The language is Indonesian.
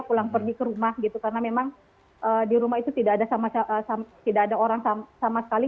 pulang pergi ke rumah gitu karena memang di rumah itu tidak ada orang sama sekali